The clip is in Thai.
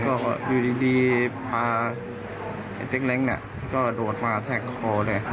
ก็อยู่ดีปลาเต็กเล้งก็โดดมาแท็กคอด้วย